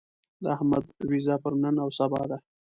د احمد وېزه پر نن او سبا ده.